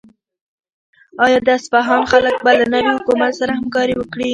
آیا د اصفهان خلک به له نوي حکومت سره همکاري وکړي؟